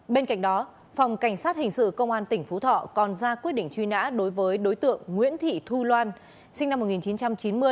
bên cạnh đó phòng cảnh sát hình sự công an tỉnh phú thọ còn ra quyết định truy nã đối với đối tượng nguyễn thị thu loan sinh năm một nghìn chín trăm chín mươi